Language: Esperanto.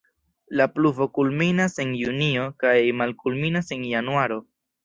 La pluvo kulminas en junio kaj malkulminas en januaro.